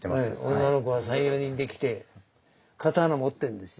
女の子が３４人で来て刀持ってるんですよ。